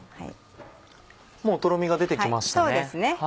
もうとろみが出て来ましたね。